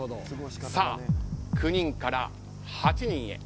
さあ、９人から８人へ。